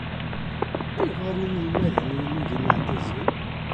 Ayɣer inelmaden-inu d imeɛdazen?